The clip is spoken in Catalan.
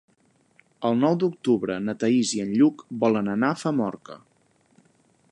El nou d'octubre na Thaís i en Lluc volen anar a Famorca.